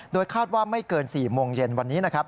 คาดว่าไม่เกิน๔โมงเย็นวันนี้นะครับ